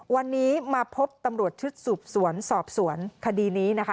วันนี้มาพบตำรวจชุดสืบสวนสอบสวนคดีนี้นะคะ